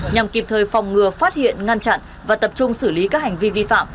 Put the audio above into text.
nhằm kịp thời phòng ngừa phát hiện ngăn chặn và tập trung xử lý các hành vi vi phạm